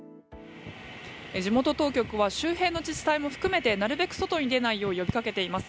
地元当局は周辺の自治体も含めてなるべく外に出ないよう呼びかけています。